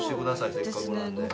せっかくなんで。を。